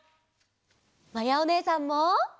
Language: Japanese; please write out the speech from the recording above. まやおねえさんも。